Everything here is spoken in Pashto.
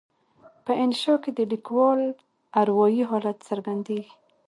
په انشأ کې د لیکوال اروایي حالت څرګندیږي.